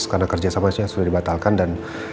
karena kerja sama dia sudah dibatalkan dan